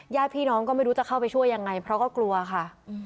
ญาติพี่น้องก็ไม่รู้จะเข้าไปช่วยยังไงเพราะก็กลัวค่ะ